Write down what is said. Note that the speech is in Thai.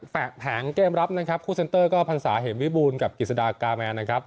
แฝกแผงเกมรับนะครับคู่เซ็นเตอร์ก็พรรษาเหมวิบูรณ์กับกิจสดากาแมนนะครับ